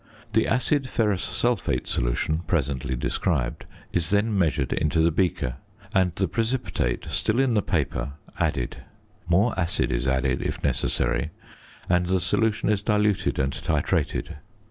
The acid ferrous sulphate solution (presently described) is then measured into the beaker, and the precipitate, still in the paper, added; more acid is added (if necessary), and the solution is diluted and titrated.